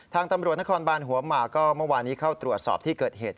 ทางตำรวจนครบานหัวหมากก็เมื่อวานี้เข้าตรวจสอบที่เกิดเหตุ